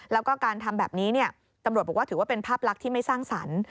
แล้วก็การทำแบบนี้ตำรวจบอกว่าถือว่าเป็นภาพลักษณ์ที่ไม่สร้างสรรค์